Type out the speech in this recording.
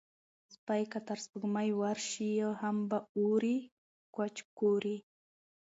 سپى که تر سپوږمۍ ورشي، هم به اوري کوچ کورې